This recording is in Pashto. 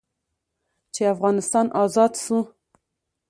چې افغانستان ازاد سو.